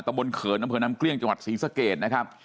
ตำบนเขินน้ำเผินน้ำเกลี่งจังหวัดศรีสเกษนะครับ